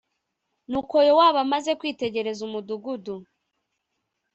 Nuko Yowabu amaze kwitegereza umudugudu